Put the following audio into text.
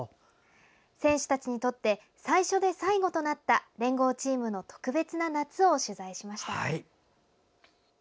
選手たちにとって最初で最後となった連合チームの特別な夏を取材しました。